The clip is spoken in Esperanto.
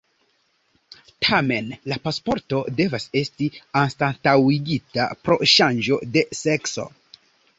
Tamen la pasporto devas esti anstataŭigita pro ŝanĝo de sekso.